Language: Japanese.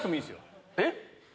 えっ？